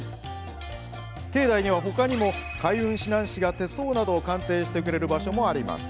境内には、他にも開運指南士が手相などを鑑定してくれる場所もあります。